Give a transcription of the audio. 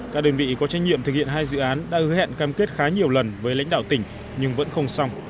các đơn vị có trách nhiệm thực hiện hai dự án đã hứa hẹn cam kết khá nhiều lần với lãnh đạo tỉnh nhưng vẫn không xong